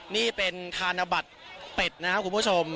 นี่เป็นธนบัตรเป็ดนะครับคุณผู้ชม